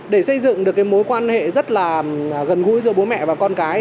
để xây dựng được cái mối quan hệ rất là gần gũi giữa bố mẹ và con cái